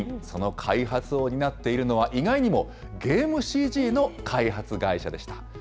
その開発を担っているのは、意外にも、ゲームＣＧの開発会社でした。